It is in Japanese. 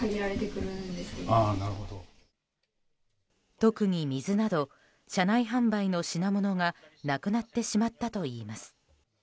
特に水など、車内販売の品物がなくなってしまったといいます。